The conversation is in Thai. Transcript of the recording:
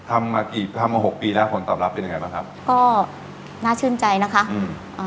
ทำมากี่ทำมาหกปีแล้วผลตอบรับเป็นยังไงบ้างครับก็น่าชื่นใจนะคะอืมอ่า